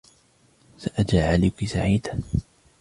سأجعلك سعيدةً.